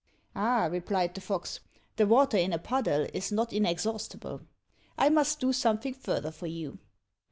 "Ah," replied the fox, "the water in a puddle is not inexhaustible. I must do something further for you."